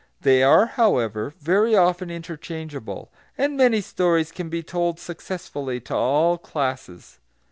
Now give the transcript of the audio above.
They are, however, very often interchangeable; and many stories can be told successfully to all classes.